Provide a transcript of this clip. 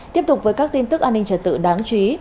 tiếp tục với các tin tức an ninh trật tự đáng chú ý